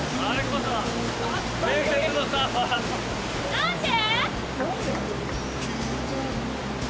何で？